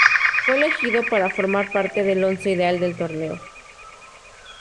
Fue elegido para formar parte del once ideal del torneo.